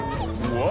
うわ！